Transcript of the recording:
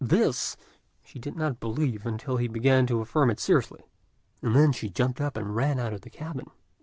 This she did not believe, until he began to affirm it seriously; and then she jumped up and ran out of the cabin.